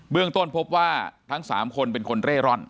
เบื้องต้นพบว่าทั้งสามคนเป็นคนเร่ร่อน